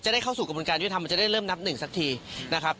จะได้เข้าสู่กรรมการที่จะทำมันจะได้เริ่มนับหนึ่งสักทีนะครับ